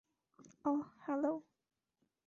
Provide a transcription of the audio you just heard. অহ, hello.